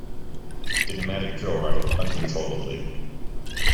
The pneumatic drill rattled uncontrollably.